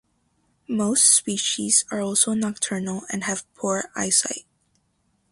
Most species are also nocturnal and have poor eyesight.